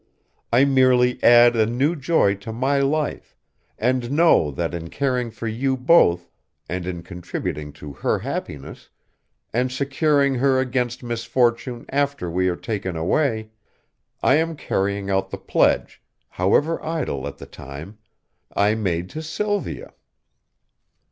I merely add a new joy to my life, and know that in caring for you both and in contributing to her happiness, and securing her against misfortune after we are taken away, I am carrying out the pledge, however idle at the time, I made to Sylvia."